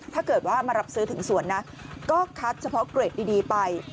ถ้าเกิดว่ามารับซื้อถึงสวนนะก็คัดเฉพาะเกรดดีไป